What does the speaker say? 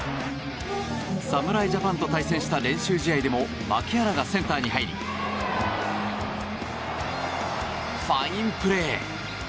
侍ジャパンと対戦した練習試合でも牧原がセンターに入りファインプレー！